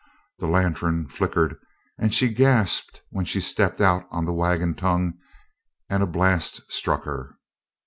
The lantern flickered and she gasped when she stepped out on the wagon tongue and a blast struck her.